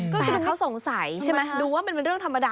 แต่เขาสงสัยใช่ไหมดูว่ามันเป็นเรื่องธรรมดา